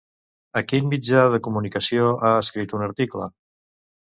A quin mitjà de comunicació ha escrit un article?